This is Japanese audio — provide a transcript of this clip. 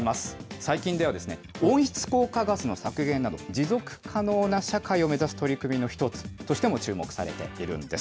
最近では、温室効果ガスの削減など、持続可能な社会を目指す取り組みの１つとしても注目されているんです。